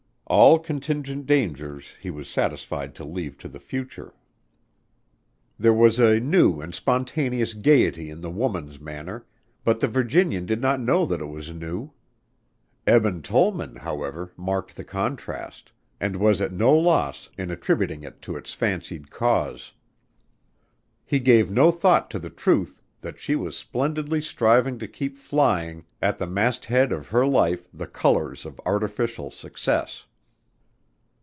All contingent dangers he was satisfied to leave to the future. There was a new and spontaneous gayety in the woman's manner, but the Virginian did not know that it was new. Eben Tollman, however, marked the contrast and was at no loss in attributing it to its fancied cause. He gave no thought to the truth that she was splendidly striving to keep flying at the mast head of her life the colors of artificial success.